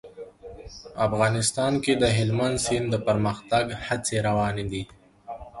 افغانستان کې د هلمند سیند د پرمختګ هڅې روانې دي.